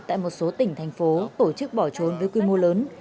tại một số tỉnh thành phố tổ chức bỏ trốn với quy mô lớn